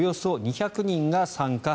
こちらはおよそ２００人が参加。